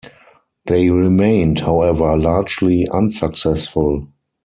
They remained, however, largely unsuccessful.